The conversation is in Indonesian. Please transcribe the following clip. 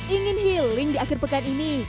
ingin healing di akhir pekan ini